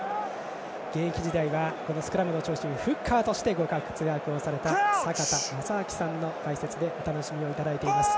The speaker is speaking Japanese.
現役時代はスクラムの長身フッカーとしてご活躍された坂田正彰さんの解説でお楽しみいただいております。